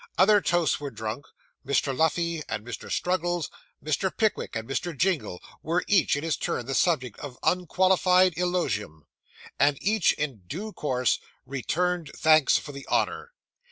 Other toasts were drunk. Mr. Luffey and Mr. Struggles, Mr. Pickwick and Mr. Jingle, were, each in his turn, the subject of unqualified eulogium; and each in due course returned thanks for the honour.